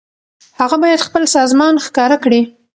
هغه بايد خپل سامان ښکاره کړي.